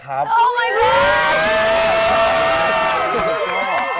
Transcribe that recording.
แหละ